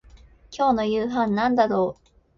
今日の夕飯なんだろう